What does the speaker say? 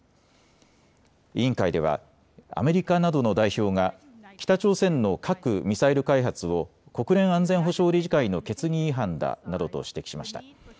委員会ではアメリカなどの代表が北朝鮮の核・ミサイル開発を国連安全保障理事会の決議違反だなどと指摘しました。